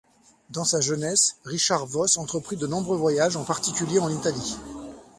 Dans sa jeunesse Richard Voss entreprit de nombreux voyages, en particulier en Italie.